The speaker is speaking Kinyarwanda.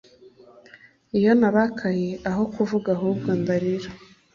iyo narakaye aho kuvuga ahubwo ndarira